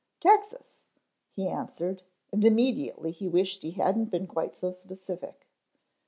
"Texas," he answered, and immediately he wished he hadn't been quite so specific.